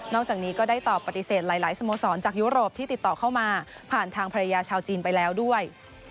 จากนี้ก็ได้ตอบปฏิเสธหลายสโมสรจากยุโรปที่ติดต่อเข้ามาผ่านทางภรรยาชาวจีนไปแล้วด้วย